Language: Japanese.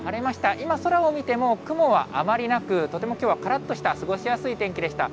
今、空を見ても、雲はあまりなく、とてもきょうはからっとした、過ごしやすい天気でした。